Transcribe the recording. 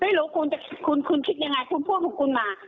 ไม่รู้คุณคิดยังไงคุณพูดของคุณมา